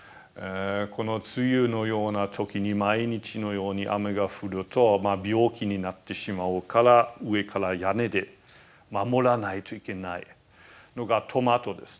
この梅雨のような時に毎日のように雨が降ると病気になってしまうから上から屋根で守らないといけないのがトマトですね。